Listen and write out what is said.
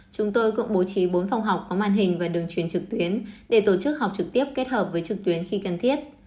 chúng tôi cũng bố trí bốn phòng học có màn hình và đường truyền trực tuyến để tổ chức học trực tiếp kết hợp với trực tuyến khi cần thiết